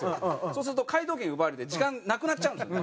そうすると回答権奪われて時間なくなっちゃうんですよ。